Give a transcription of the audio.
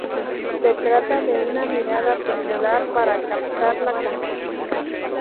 Se trata de una mirada pendular para captar la composición.